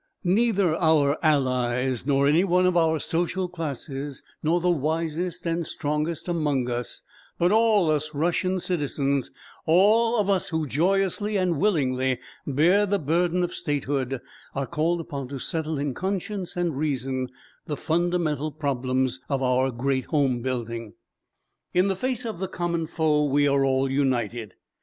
Neither our allies, nor any one of our social classes, nor the wisest and strongest among us, but all of us Russian citizens, all of us who joyously and willingly bear the burden of statehood, are called upon to settle in conscience and reason, the fundamental problems of our great home building. In the face of the common foe we are all united.